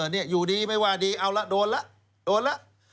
เอออยู่ดีไม่ว่าดีเอาละโดนละ